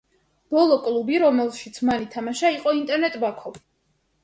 ბოლო კლუბი, რომელშიც მან ითამაშა, იყო ინტერ ბაქო.